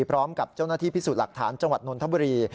พร้อมกับเจ้าหน้าที่พิสูจน์หลักฐานจังหวัดนนทบุรี